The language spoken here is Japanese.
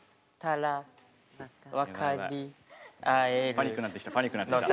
パニックになってきたパニックになってきた。